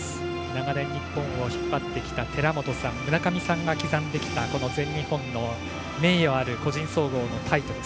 長年日本を引っ張ってきた寺本さん、村上さんが刻んできたこの全日本の名誉ある個人総合のタイトル。